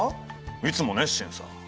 いつも熱心さ。